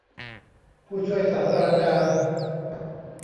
ผู้ช่วยศาสตราจารย์